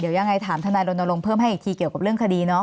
เดี๋ยวยังไงถามทนายรณรงค์เพิ่มให้อีกทีเกี่ยวกับเรื่องคดีเนาะ